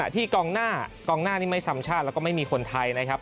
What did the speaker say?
ที่กองหน้ากองหน้านี้ไม่ซ้ำชาติแล้วก็ไม่มีคนไทยนะครับ